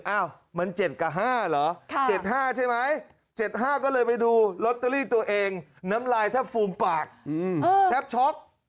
อ้าวมัน๗กับ๕เหรอ๗๕ใช่ไหม๗๕ก็เลยไปดูลอตเตอรี่ตัวเองน้ำลายแทบฟูมปากแทบช็อก